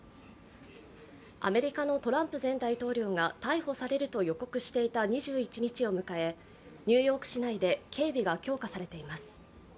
アメリカのトランプ前大統領が逮捕されると予告されていた２１日を迎え、ニューヨーク市内で警備が強化されています。